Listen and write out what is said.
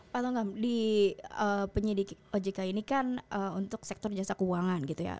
pak tongam di penyidik ojk ini kan untuk sektor jasa keuangan gitu ya